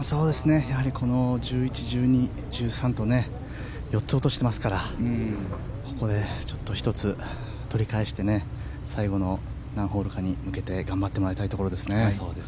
１１、１２、１３と４つ落としていますからここで１つとり返して最後の何ホールかに向けて頑張ってもらいたいです。